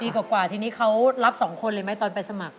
กว่าทีนี้เขารับ๒คนเลยไหมตอนไปสมัคร